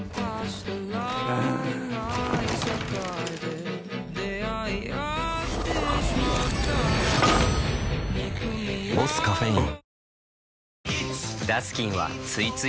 うん「ボスカフェイン」